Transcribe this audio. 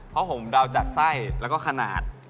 พอผมดาวจัดไส้แล้วก็ขนาด